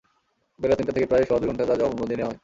বেলা তিনটা থেকে প্রায় সোয়া দুই ঘণ্টা তার জবানবন্দি নেওয়া হয়।